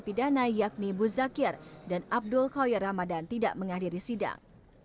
pidana yakni bu zakir dan abdul khawiyar ramadan tidak menghadiri sidang